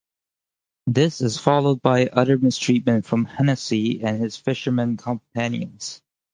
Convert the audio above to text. This is followed by other mistreatment from Hennessey and his fishermen companions.